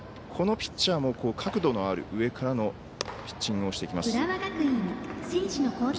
このピッチャーも角度のある上からのピッチングをしてきます。